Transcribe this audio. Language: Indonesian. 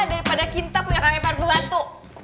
daripada kita punya kakak ipar pembantu